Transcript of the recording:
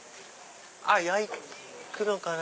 焼くのかな？